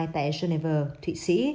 tại geneva thụy sĩ